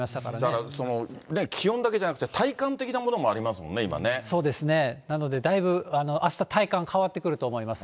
だから、ね、気温だけじゃなくて、体感的なものもありますもそうですね、なのでだいぶあした、体感変わってくると思います。